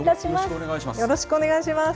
よろしくお願いします。